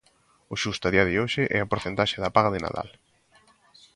O xusto a día de hoxe e a porcentaxe da paga de Nadal.